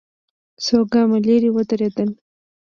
څو ګامه ليرې ودرېدل.